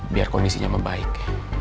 biar kondisinya membaik